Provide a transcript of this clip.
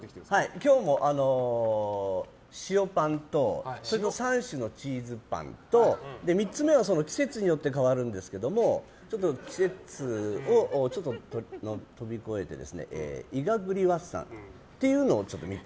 今日も塩パンと３種のチーズパンと３つ目は季節によって変わるんですけども季節を飛び越えてイガグリワッサンというの３つ。